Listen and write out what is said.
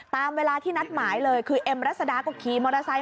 ตามเวลาที่นัดหมายเลยคือเอ็มรัศดาก็ขี่มอเตอร์ไซค